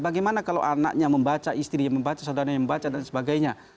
bagaimana kalau anaknya membaca istrinya membaca saudaranya membaca dan sebagainya